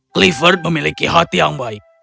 clifford memiliki hati yang baik